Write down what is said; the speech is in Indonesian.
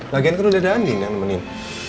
lagian kan udah ada andien yang nemenin